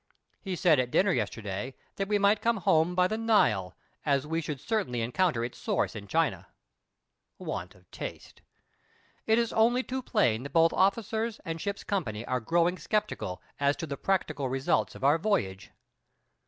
He said at dinner yesterday that we might come home by the Nile, as we should certainly encounter its source in China. Want of taste. It is only too plain that both officers and ship's company are growing sceptical as to the practical results of our voyage.